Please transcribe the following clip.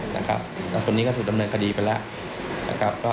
แต่ตัวนี้ก็ถูกดำเนินคดีไปแล้ว